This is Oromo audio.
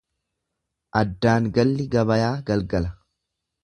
Addaan galli gabayaa galgala.